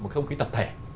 không khí tập thể